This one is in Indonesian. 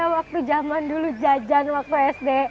waktu zaman dulu jajan waktu sd